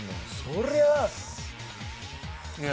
そりゃあ。